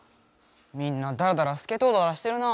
みんなダラダラスケトウダラしてるな。